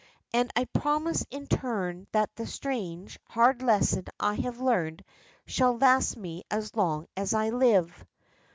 And I promise in turn that the strange, hard lesson I have learned shall last me as long as I live.